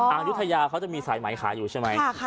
อายุทยาเขาจะมีสายไหมขายอยู่ใช่ไหม